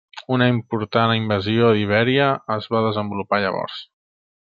Una important invasió d'Ibèria es va desenvolupar llavors.